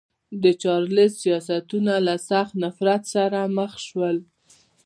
د چارلېز سیاستونه له سخت نفرت سره مخ شول.